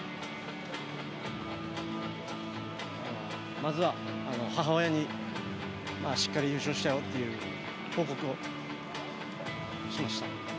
まずは母親にしっかり優勝したよと報告をしました。